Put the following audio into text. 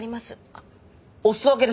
あっお裾分けです。